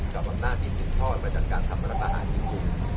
กับคำนาญที่สูงทอดมาจากการทำรัฐผ่านจริง